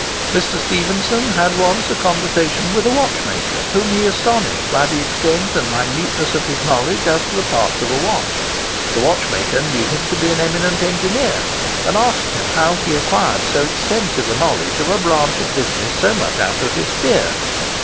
Mr. Stephenson had once a conversation with a watchmaker, whom he astonished by the extent and minuteness of his knowledge as to the parts of a watch. The watchmaker knew him to be an eminent engineer, and asked him how he had acquired so extensive a knowledge of a branch of business so much out of his sphere.